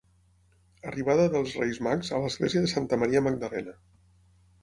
Arribada dels Reis Mags a l'església de Santa Maria Magdalena.